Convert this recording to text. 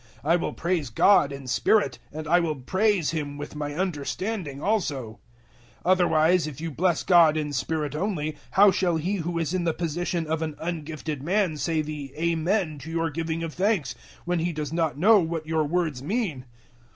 I will praise God in spirit, and I will praise Him with my understanding also. 014:016 Otherwise, if you bless God in spirit only, how shall he who is in the position of an ungifted man say the `Amen' to your giving of thanks, when he does not know what your words mean?